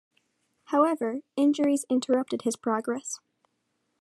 However, injuries interrupted his progress.